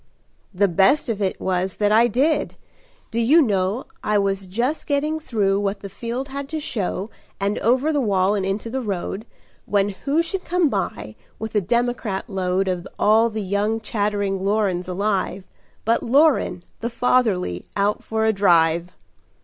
"The best of it was that I did. Do you know, I was just getting through what the field had to show And over the wall and into the road, When who should come by, with a democrat load Of all the young chattering Lorens alive, But Loren, the fatherly, out for a drive."